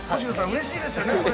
◆うれしいですね。